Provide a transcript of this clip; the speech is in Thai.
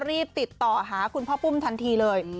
รีบติดต่อหาคุณพ่อปุ้มทันทีเลย